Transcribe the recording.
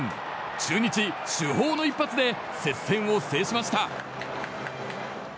中日、主砲の一発で接戦を制しました。